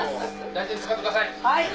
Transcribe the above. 大事に使ってください！